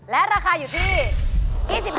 และราคาอยู่ที่